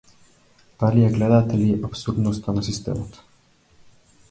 Дали ја гледате ли апсурдноста на системот?